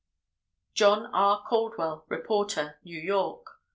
John R. Caldwell, reporter, New York.